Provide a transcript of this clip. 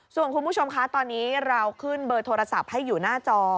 ส่วนคุณผู้ชมคะตอนนี้เราขึ้นเบอร์โทรศัพท์ให้อยู่หน้าจอ